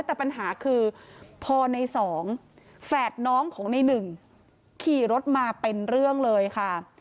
แต่ปัญหาคือพอในสองแฝดน้องของในหนึ่งขี่รถมาเป็นเรื่องเลยค่ะ